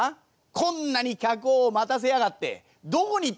こんなに客を待たせやがってどこに行ってやがったんだよ？」。